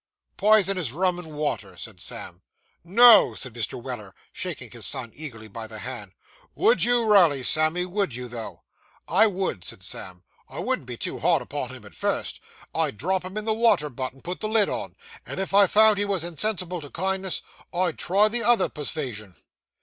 'Pison his rum and water,' said Sam. 'No!' said Mr. Weller, shaking his son eagerly by the hand, 'would you raly, Sammy would you, though?' 'I would,' said Sam. 'I wouldn't be too hard upon him at first. I'd drop him in the water butt, and put the lid on; and if I found he was insensible to kindness, I'd try the other persvasion.